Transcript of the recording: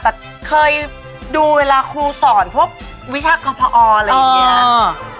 แต่เคยดูเวลาครูสอนพวกวิชากรรมพออะไรอย่างนี้